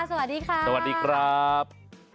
สวัสดีครับ